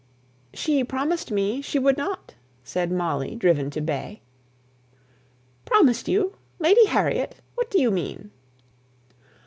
'" "She promised me she would not," said Molly driven to bay. "Promised you! Lady Harriet? What do you mean?"